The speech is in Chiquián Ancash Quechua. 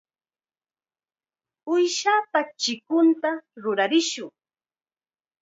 Uushapa chikunta rurarishun.